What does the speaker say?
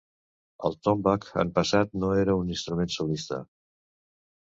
El tombak en passat no era un instrument solista.